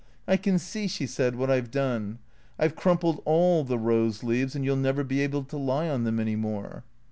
" I can see/' she said, " what I 've done. I 've crumpled all the rose leaves, and you '11 nevei be able to lie on them any more."